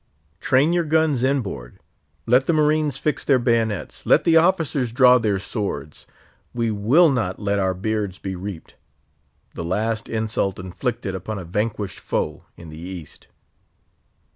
Train your guns inboard, let the marines fix their bayonets, let the officers draw their swords; we will not let our beards be reaped—the last insult inflicted upon a vanquished foe in the East!